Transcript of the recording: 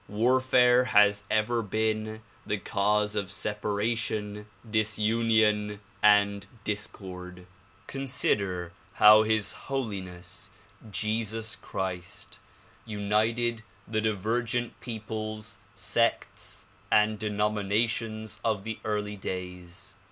War fare has ever been the cause of separation, disunion and discord. Consider how His Holiness Jesus Christ united the divergent peoples, sects and denominations of the early days.